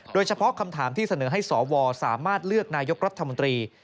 โดยเฉพาะคำถามที่เสนอให้สวสามารถเลือกนายกรัฐมนตรี